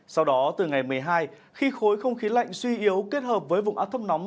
sau đó từ ngày một mươi hai khi khối không khí lạnh suy yếu kết hợp với vùng áp thấp nóng